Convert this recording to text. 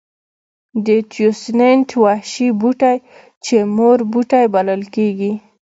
د تیوسینټ وحشي بوټی چې مور بوټی بلل کېږي.